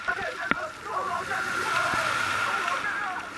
小星头啄木鸟为啄木鸟科啄木鸟属的鸟类。